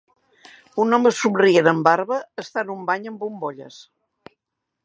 Un home somrient amb barba està en un bany amb bombolles.